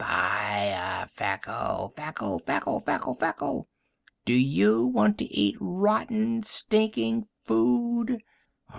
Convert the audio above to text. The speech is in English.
Buy a Feckle, Feckle, Feckle, Feckle, Feckle. Do you want to eat rotten, stinking food?